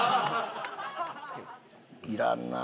いらんなあ。